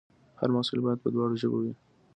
هر محصول باید په دواړو ژبو وي.